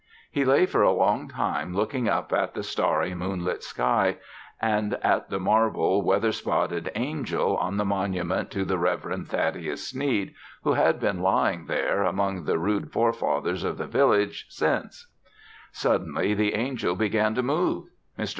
He lay for a long time looking up at the starry moonlit sky, and at the marble, weather spotted angel on the monument to the Reverend Thaddeus Sneed, who had been lying there, among the rude forefathers of the village, since 1806. Suddenly the angel began to move. Mr.